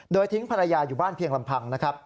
โดยทิ้งภรรยาอยู่บ้านเพียงลำพังนะครับ